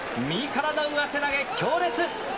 右からの上手投げ、強烈。